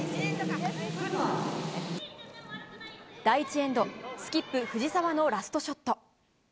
第１エンドスキップ藤澤のラストショット。